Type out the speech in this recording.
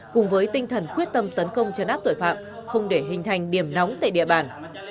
cùng với tinh thần quyết tâm tấn công chấn áp tội phạm không để hình thành điểm nóng tại địa bàn